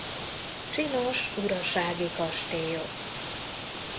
Csinos urasági kastélyok.